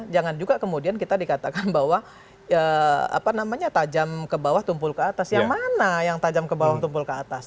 jangan juga kemudian kita dikatakan bahwa tajam ke bawah tumpul ke atas yang mana yang tajam ke bawah tumpul ke atas